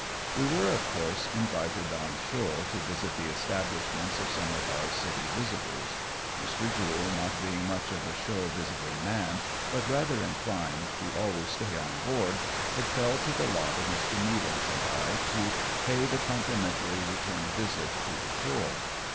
We werOj of course, invited on shore to visit the establishments of some of our city visitors. Mr. Jule not being much of a shore visiting man, but rather inclined to always stay on board, it fell to the lot of Mr. Nealance and I to pay the complimentary return visit to the shore.